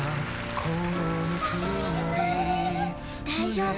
大丈夫。